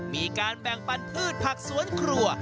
มีการแบ่งปันพืชผักสวนครัว